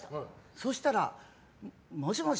そうしたらもしもし？